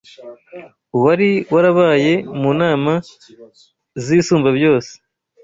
Uwari warabaye mu nama z’Isumbabyose